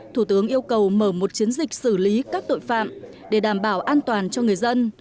thủ tướng yêu cầu mở một chiến dịch xử lý các tội phạm để đảm bảo an toàn cho người dân